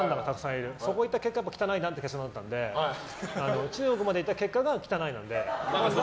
そこに行った結果汚いなってなったので中国まで行った結果が汚いだったので。